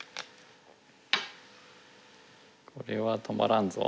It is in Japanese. これは止まらんぞ。